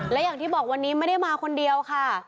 และอย่างที่บอกวันนี้ไม่ได้มาคนเดียวค่ะ